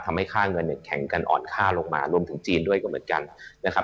ทำให้ค่าเงินเนี่ยแข็งกันอ่อนค่าลงมารวมถึงจีนด้วยก็เหมือนกันนะครับ